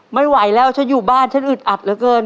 ไม่ไหวแล้วฉันอยู่บ้านฉันอึดอัดเหลือเกิน